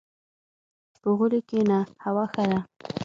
• په غولي کښېنه، هوا ښه ده.